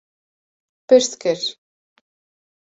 Pirs kir: